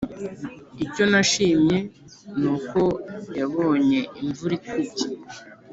icyo nashimye ni uko yabonye imvura ikubye,